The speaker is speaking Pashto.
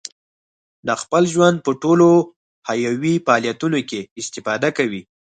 د خپل ژوند په ټولو حیوي فعالیتونو کې استفاده کوي.